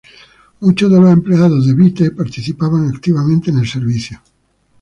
Muchos de los empleados de "Byte" participaban activamente en el servicio.